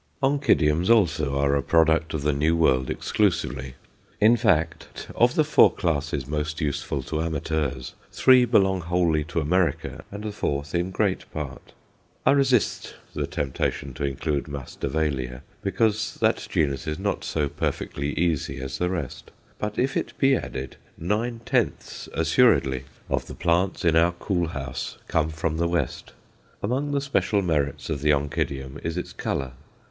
Oncidiums also are a product of the New World exclusively; in fact, of the four classes most useful to amateurs, three belong wholly to America, and the fourth in great part. I resist the temptation to include Masdevallia, because that genus is not so perfectly easy as the rest; but if it be added, nine tenths, assuredly, of the plants in our cool house come from the West. Among the special merits of the Oncidium is its colour.